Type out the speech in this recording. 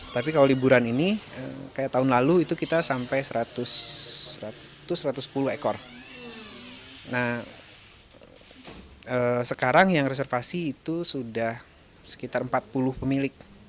sekarang yang reservasi itu sudah sekitar empat puluh pemilik